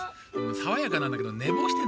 さわやかなんだけどねぼうしてんだよね。